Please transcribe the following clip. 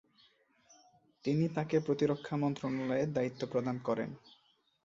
তিনি তাকে প্রতিরক্ষা মন্ত্রণালয়ের দায়িত্ব প্রদান করেন।